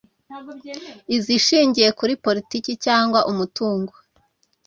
izishingiye kuri politiki cyangwa umutungo